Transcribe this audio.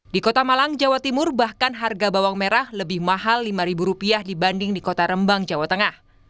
di kota malang jawa timur bahkan harga bawang merah lebih mahal rp lima dibanding di kota rembang jawa tengah